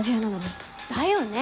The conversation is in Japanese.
だよね！